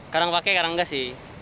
kadang pakai kadang nggak sih